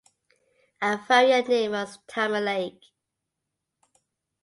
A variant name was "Tama Lake".